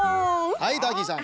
はいターキーさん。